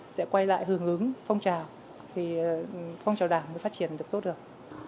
sẽ quay lại hướng hướng phong trào phong trào đảng mới phát triển được tốt được